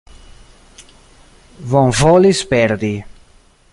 Bonvolis perdi.